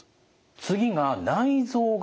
次が内臓型。